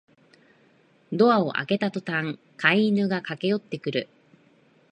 ドアを開けたとたん飼い犬が駆けよってくる